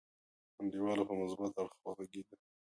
انډیواله په مثبت اړخ وغګیږه.